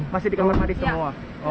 masih di kamar mandi semua